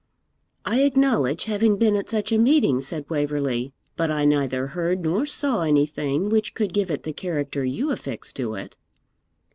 'I acknowledge having been at such a meeting,' said Waverley; 'but I neither heard nor saw anything which could give it the character you affix to it.'